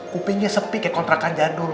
kupingnya sepi kayak kontrakan jadul